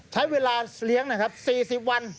ใช้เวลาเลี้ยงนะครับสี่สิบวัน